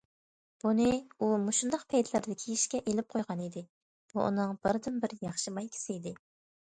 بۇنى ئۇ مۇشۇنداق پەيتلەردە كىيىشكە ئېلىپ قويغانىدى، بۇ ئۇنىڭ بىردىنبىر ياخشى مايكىسى ئىدى.